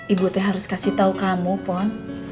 ibu teh harus kasih tahu kamu pon